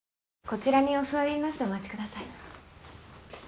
こちらにお座りになってお待ちください。